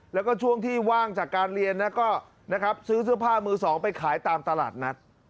แล้วก็ช่วงที่ว่างจากการเรียนก็นะครับซื้อเสื้อผ้ามือสองไปขายตามตลาดนัด